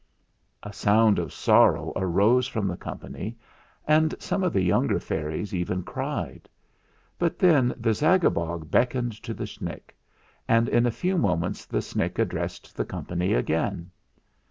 ' A sound of sorrow arose from the company, and some of the younger fairies even cried. But then the Zagabog beckoned to the Snick, and in a few moments the Snick addressed the company again.